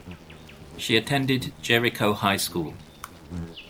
She attended Jericho High School.